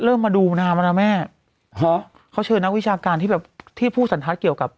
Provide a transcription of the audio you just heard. มาดูน้ำแล้วนะแม่ฮะเขาเชิญนักวิชาการที่แบบที่ผู้สันทัศน์เกี่ยวกับ